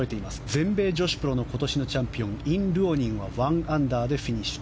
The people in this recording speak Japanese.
全米女子プロの今年のチャンピオンイン・ルオニンは１アンダーでフィニッシュ。